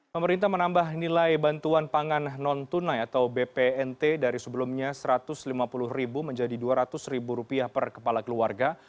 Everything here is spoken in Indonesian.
pemerintah menambah nilai bantuan pangan non tunai atau bpnt dari sebelumnya rp satu ratus lima puluh menjadi rp dua ratus per kepala keluarga